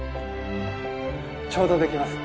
ちょうど出来ます。